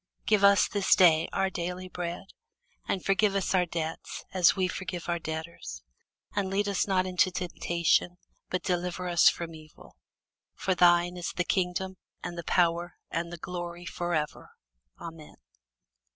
Give us this day our daily bread. And forgive us our debts, as we forgive our debtors. And lead us not into temptation, but deliver us from evil: For thine is the kingdom, and the power, and the glory, for ever. Amen.